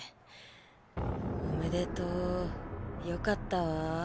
おめでとよかったわ。